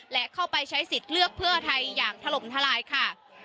และเข้าไปใช้สิทธิ์เลือกเพื่อไทยอย่างถล่มทลายค่ะ